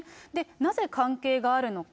なぜ関係があるのか。